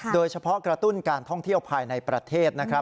กระตุ้นการท่องเที่ยวภายในประเทศนะครับ